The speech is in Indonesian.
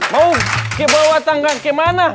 mau ke bawah tangga kemana